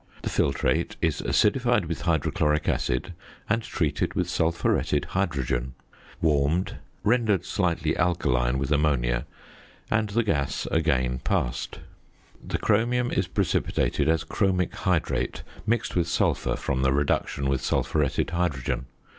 The filtrate is acidified with hydrochloric acid, and treated with sulphuretted hydrogen, warmed, rendered slightly alkaline with ammonia, and the gas again passed. The chromium is precipitated as chromic hydrate mixed with sulphur from the reduction with sulphuretted hydrogen.